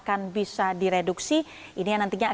kemudian di dalam perjalanan ke negara